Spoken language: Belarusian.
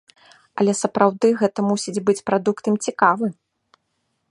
Але, сапраўды, гэта мусіць быць прадукт ім цікавы.